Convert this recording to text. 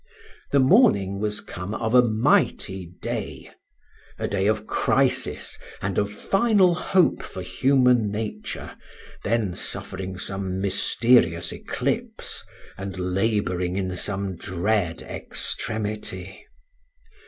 The morning was come of a mighty day—a day of crisis and of final hope for human nature, then suffering some mysterious eclipse, and labouring in some dread extremity.